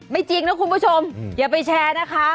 จริงนะคุณผู้ชมอย่าไปแชร์นะคะ